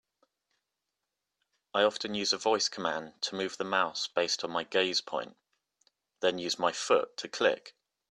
I often use a voice command to move the mouse based on my gaze point, then use my foot to click.